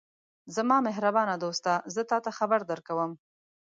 زما مهربانه دوسته! زه تاته خبر درکوم.